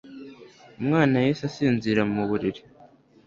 Umwana yahise asinzira mu buriri